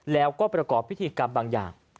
แล้วก็ประกอบพิธีกรรมบางอย่าง